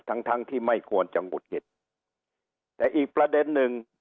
ทั้งทั้งที่ไม่ควรจะหงุดหงิดแต่อีกประเด็นหนึ่ง